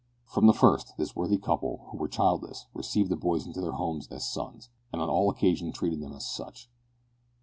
From the first this worthy couple, who were childless, received the boys into their home as sons, and on all occasions treated them as such.